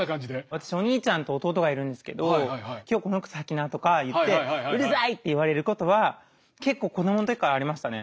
私お兄ちゃんと弟がいるんですけど「今日この靴履きな」とか言って「うるさい」って言われることは結構子どもの時からありましたね。